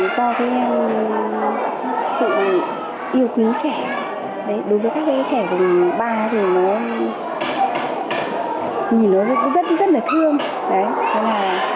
do cái sự yêu quý trẻ đối với các cái trẻ vùng ba thì nó nhìn nó rất là thương